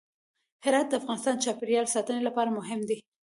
هرات د افغانستان د چاپیریال ساتنې لپاره مهم دی.